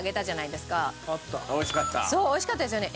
そう美味しかったですよね。